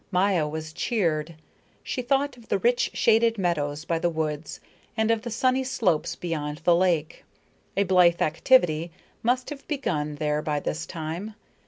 Maya was cheered. She thought of the rich shaded meadows by the woods and of the sunny slopes beyond the lake. A blithe activity must have begun there by this time.